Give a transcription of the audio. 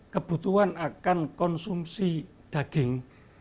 kebutuhan akan konsumsi daging